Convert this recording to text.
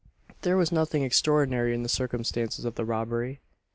There was nothing extraordinary in the circumstances of the robbery.